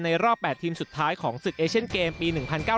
รอบ๘ทีมสุดท้ายของศึกเอเชียนเกมปี๑๙๙